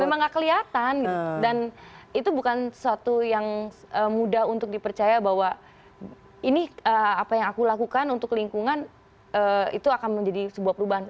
memang gak kelihatan dan itu bukan sesuatu yang mudah untuk dipercaya bahwa ini apa yang aku lakukan untuk lingkungan itu akan menjadi sebuah perubahan